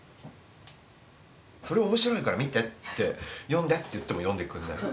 「それ面白いから見て」って「読んで」って言っても読んでくれない。